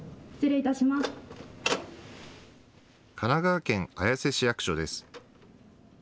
神奈川県綾瀬市役所です。